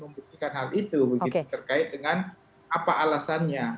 membuktikan hal itu terkait dengan apa alasannya